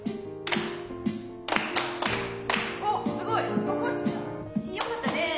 おっすごい！よかったね。